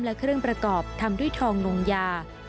และเครื่องประกอบทำด้วยทองลงยา